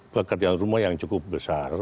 pekerjaan rumah yang cukup besar